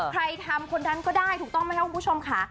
ใครทำคนนั้นก็ได้ถูกต้องไหมครับคุณผู้ชมค่ะ